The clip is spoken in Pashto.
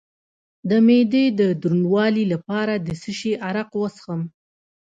د معدې د دروندوالي لپاره د څه شي عرق وڅښم؟